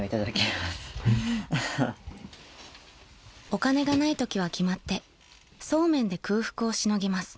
［お金がないときは決まってそうめんで空腹をしのぎます］